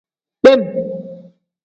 Kpem.